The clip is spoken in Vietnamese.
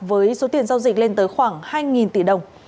với số tiền giao dịch lên tới khoảng hai tỷ đồng